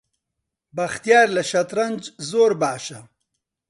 بەختیار لە شەترەنج زۆر باشە.